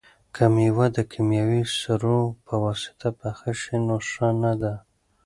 که مېوه د کیمیاوي سرو په واسطه پخه شي نو ښه نه ده.